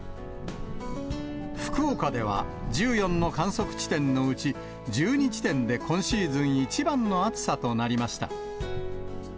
福岡では、１４の観測地点のうち、１２地点で今シーズン一番の暑さとなりました。